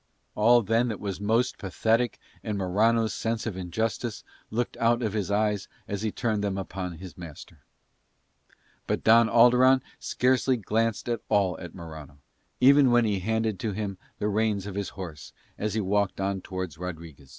All then that was most pathetic in Morano's sense of injustice looked out of his eyes as he turned them upon his master. But Don Alderon scarcely glanced at all at Morano, even when he handed to him the reins of his horse as he walked on towards Rodriguez.